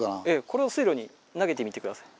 これを水路に投げてみて下さい。